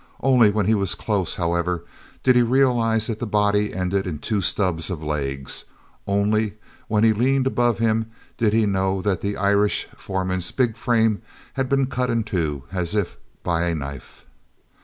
Only when he was close, however, did he realize that the body ended in two stubs of legs; only when he leaned above him did he know that the Irish foreman's big frame had been cut in two as if by a knife.